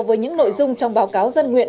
với những nội dung trong báo cáo dân nguyện